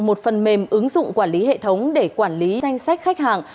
một phần mềm ứng dụng quản lý hệ thống để quản lý danh sách khách hàng